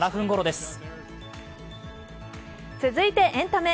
続いてエンタメ。